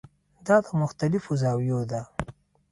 دا له مختلفو زاویو ده.